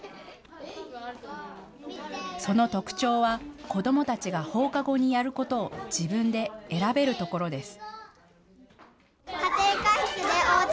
その特徴は子どもたちが放課後にやることを自分で選べるところです。